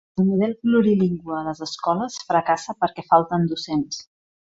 El model plurilingüe a les escoles fracassa perquè falten docents